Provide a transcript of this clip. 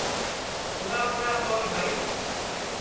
پُورا پُورا تول بھائی